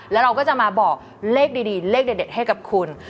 แล้วเราก็จะมาบอกเลขดีเลขเด็ดให้กับคุณ